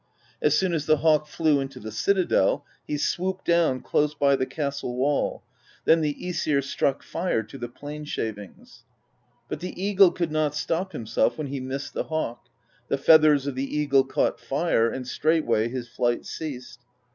As soon as the hawk flew into the citadel, he swooped down close by the castle wall; then the ^sir struck fire to the plane shavings. But the eagle could not stop himself when he missed the hawk: the feathers of the eagle caught fire, and straightway his flight ceased.